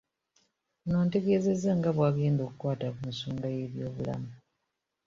Ono ategeezezza nga bw'agenda okukwata ku nsonga y'ebyobulamu